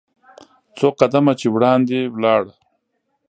څو قدمه چې وړاندې ولاړ .